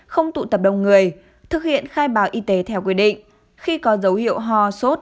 không tụ tập đông người thực hiện khai báo y tế theo quy định khi có dấu hiệu ho sốt